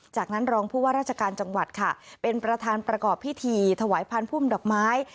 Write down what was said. จากนั้นรองผู้ว่าราชการจังหวัดค่ะเป็นประธานประกอบพิธีถวายพันธุ์พุ่มดอกไม้